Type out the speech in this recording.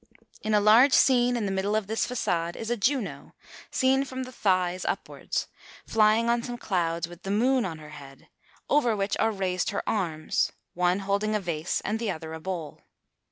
In a large scene in the middle of this façade is a Juno, seen from the thighs upwards, flying on some clouds with the moon on her head, over which are raised her arms, one holding a vase and the other a bowl.